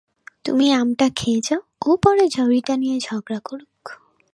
তুমি আম খেয়ে যাও, অপরে ঝুড়িটা নিয়ে ঝগড়া করুক।